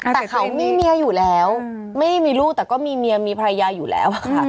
แต่เขามีเมียอยู่แล้วไม่มีลูกแต่ก็มีเมียมีภรรยาอยู่แล้วอะค่ะ